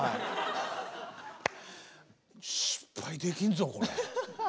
失敗できんぞこれ。